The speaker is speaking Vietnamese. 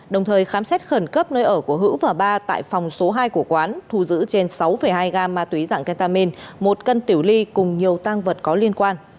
đồng thời khám xét khẩn cấp nơi ở của hữu và ba tại phòng số hai của quán thu giữ trên sáu hai